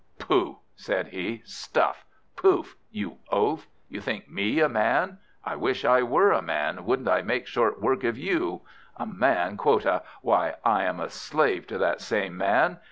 "Pooh!" said he. "Stuff! poof! you oaf! you think me a Man? I wish I were a Man, wouldn't I make short work of you! A man, quotha! Why, I am a slave to that same Man.